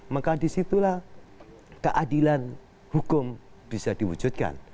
maka disitulah keadilan hukum bisa diwujudkan